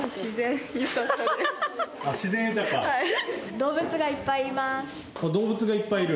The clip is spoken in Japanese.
動物がいっぱいいる？